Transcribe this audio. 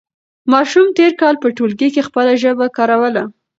ماشوم تېر کال په ټولګي کې خپله ژبه کاروله.